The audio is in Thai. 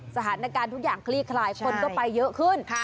สถานการณ์ทุกอย่างคลี่คลายคนก็ไปเยอะขึ้น